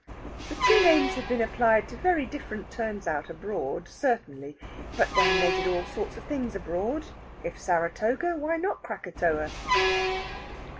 The two names had been applied to very different turns out abroad, certainly; but then they did all sorts of things abroad. If Saratoga, why not Krakatoa?